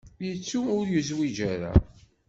Yettu ur yezwiǧ ara.